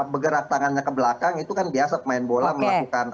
bergerak tangannya ke belakang itu kan biasa pemain bola melakukan